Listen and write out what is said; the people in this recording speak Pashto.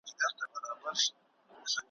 د غوجل او د ګورم د څښتنانو ,